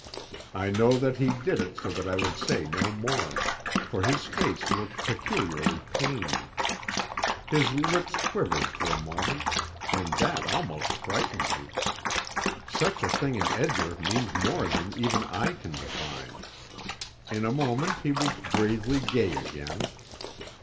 I know that he did it so that I would say no more, for his face looked peculiarly pained. His lip quivered for a moment, and that almost frightened me. Such a thing in Edgar means more than even I can divine. In a moment he was gravely gay again.